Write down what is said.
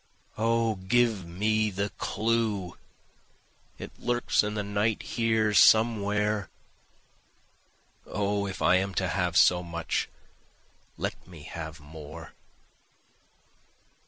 O give me the clue! (it lurks in the night here somewhere,) O if I am to have so much, let me have more!